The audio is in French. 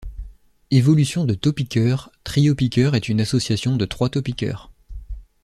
Évolution de Taupiqueur, Triopikeur est une association de trois Taupiqueur.